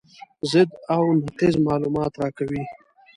ضد او نقیض معلومات راکوي.